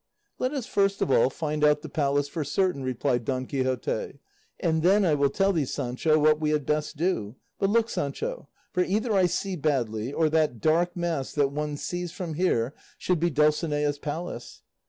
"Let us first of all find out the palace for certain," replied Don Quixote, "and then I will tell thee, Sancho, what we had best do; but look, Sancho, for either I see badly, or that dark mass that one sees from here should be Dulcinea's palace."